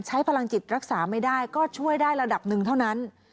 ใช้พลังจิตรักษาไม่ได้ก็ช่วยได้ระดับหนึ่งเท่านั้น